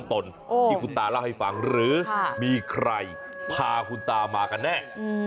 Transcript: ตนที่คุณตาเล่าให้ฟังหรือมีใครพาคุณตามากันแน่